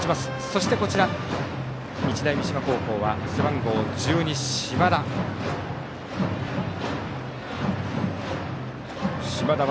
そしてこちら、日大三島高校は背番号１２、島田。